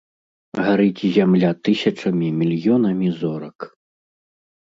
Гарыць зямля тысячамі, мільёнамі зорак.